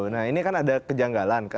nah ini kan ada kejanggalan kan